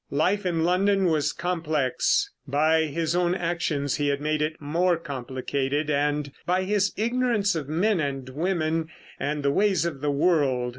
Life in London was complex: by his own actions he had made it more complicated, and by his ignorance of men and women and the ways of the world.